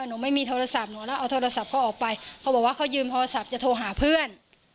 หนูไม่มีโทรศัพท์หนูแล้วเอาโทรศัพท์เขาออกไปเขาบอกว่าเขายืมโทรศัพท์จะโทรหาเพื่อน